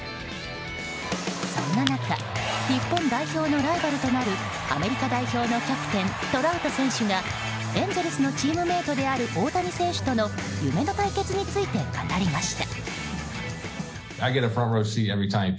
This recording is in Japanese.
そんな中日本代表のライバルとなるアメリカ代表のキャプテントラウト選手がエンゼルスのチームメートである大谷選手との夢の対決について語りました。